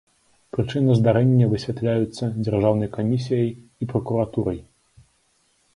Прычыны здарэння высвятляюцца дзяржаўнай камісіяй і пракуратурай.